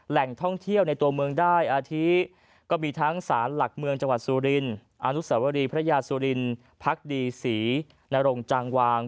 แหล่งท่องเที่ยวในตัวเมืองได้อาทิก็มีทั้งศาลหลักเมืองจังหวัดสุรินอนุสวรีพระยาสุรินพักดีศรีนรงจางวาง